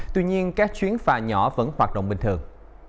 tuy nhiên các chuyến phà nhỏ vẫn hoạt động bình thường